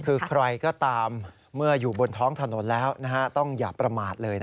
คือใครก็ตามเมื่ออยู่บนท้องถนนแล้วต้องอย่าประมาทเลย